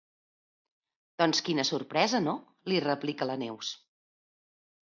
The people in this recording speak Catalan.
Doncs quina sorpresa, no? —li replica la Neus.